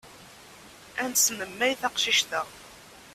Ad nesmemmay taqcict-a.